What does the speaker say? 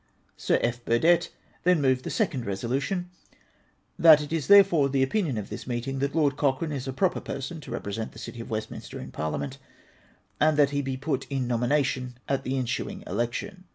Sill F. BuRDETT then moved the second resolution :—" That it is therefore the opinion of this meeting, that Lord Cochrane is a proper person to represent the City of Westminster in Parliament, and that he be put in nomination at the ensuing election."